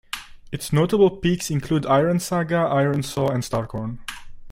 Its notable peaks include "Irensaga" "Iron Saw" and "Starkhorn".